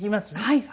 はい。